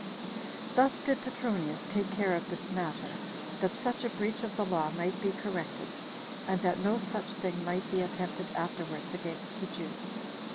4. Thus did Petronius take care of this matter, that such a breach of the law might be corrected, and that no such thing might be attempted afterwards against the Jews.